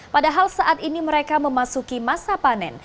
padahal saat ini mereka memasuki masa panen